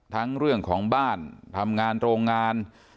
เรื่องของบ้านทำงานโรงงาน